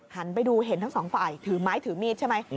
หันไปดูเห็นทั้งสองฝ่ายถือไม้ถือมีดใช่ไหม